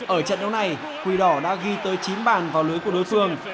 ở trận đấu này quỳ đỏ đã ghi tới chín bàn vào lưới của đối phương